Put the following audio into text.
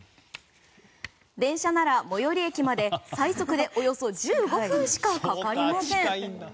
電車なら、最寄り駅まで最速でおよそ１５分しかかかりません。